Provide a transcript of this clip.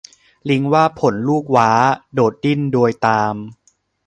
ลิงว่าผลลูกหว้า โดดดิ้นโดยตาม